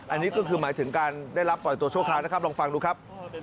อันนี้ก็คือหมายถึงการได้รับปล่อยตัวชั่วคราวนะครับลองฟังดูครับ